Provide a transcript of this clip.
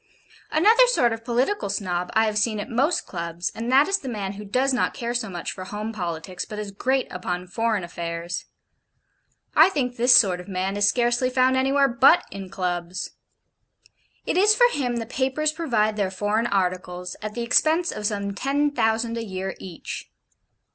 Another sort of Political Snob I have seen at most Clubs and that is the man who does not care so much for home politics, but is great upon foreign affairs. I think this sort of man is scarcely found anywhere BUT in Clubs. It is for him the papers provide their foreign articles, at the expense of some ten thousand a year each.